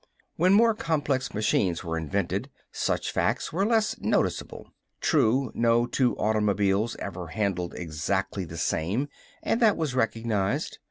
When more complex machines were invented, such facts were less noticeable. True, no two automobiles ever handled exactly the same, and that was recognized.